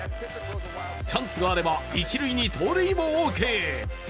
チャンスがあれば、一塁に盗塁もオーケー。